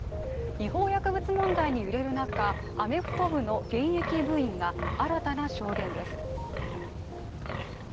違法薬物問題に揺れる中、アメフト部の現役部員が新たな証言です。